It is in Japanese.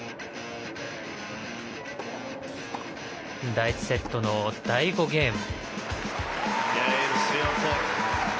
第１セット第５ゲーム。